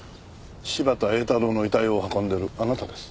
柴田英太郎の遺体を運んでいるあなたです。